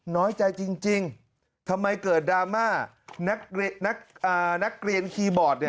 น้อยใจจริงทำไมเกิดดราม่านักเรียนคีย์บอร์ด